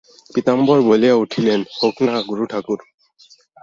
পীতাম্বর বলিয়া উঠিলেন, হোক-না গুরুঠাকুর।